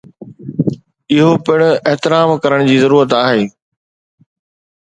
اهو پڻ احترام ڪرڻ جي ضرورت آهي.